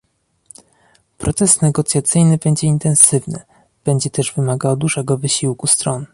Proces negocjacyjny będzie intensywny, będzie też wymagał dużego wysiłku stron